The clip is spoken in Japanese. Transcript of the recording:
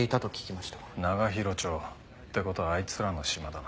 長広町。って事はあいつらのシマだな。